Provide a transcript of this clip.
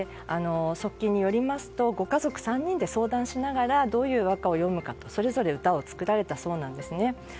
側近によりますとご家族３人で相談しながらどういう和歌を詠むかそれぞれ歌を作られたそうなんですね。